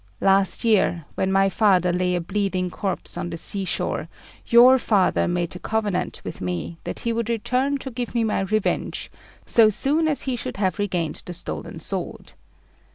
Last year, when my father lay a bleeding corpse on the sea shore, your father made a covenant with me that he would return to give me my revenge, so soon as he should have regained the stolen sword.